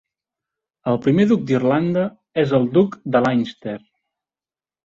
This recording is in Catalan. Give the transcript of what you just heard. El primer duc d'Irlanda és el duc de Leinster.